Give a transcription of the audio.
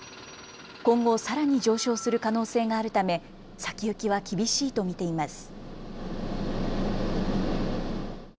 今後さらに上昇する可能性があるため先行きは厳しいと見ています。